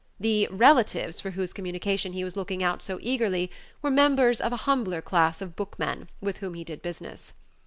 The "relatives" for whose communication he was looking out so eagerly were members of the humbler class of bookmen with whom he did business.